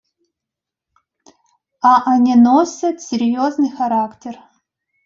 А они носят серьезный характер.